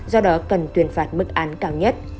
do đó cần tuyên phạt mức án cao nhất